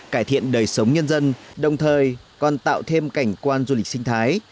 cải thiện đời sống nhân dân đồng thời còn tạo thêm cảnh quan du lịch sinh thái